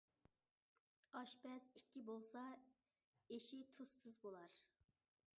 ئاشپەز ئىككى بولسا، ئېشى تۇزسىز بولار.